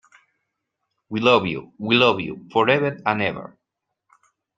We love you, we love you forever and ever!